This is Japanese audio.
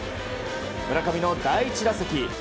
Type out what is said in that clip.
村上の第１打席。